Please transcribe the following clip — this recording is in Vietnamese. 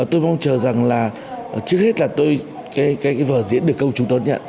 tôi mong chờ rằng là trước hết là tôi cái vở diễn được công chúng đón nhận